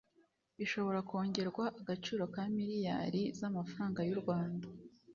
ishobora kongerwa agaciro ka miliyari z,amafaranga y,u Rwanda